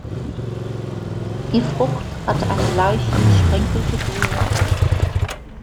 Die Frucht hat eine leicht gesprenkelte grüne Haut.